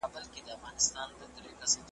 ټولنه باید د اخلاقي پلوه پیاوړې وي.